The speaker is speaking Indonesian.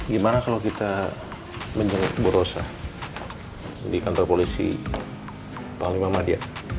gimana kalau kita menjemput bu rosa di kantor polisi panglima madiak